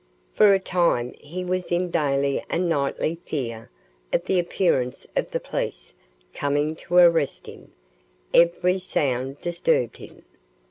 For a time he was in daily and nightly fear of the appearance of the police coming to arrest him; every sound disturbed him.